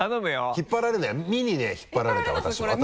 引っ張られるなよ「み」にね引っ張られた私は。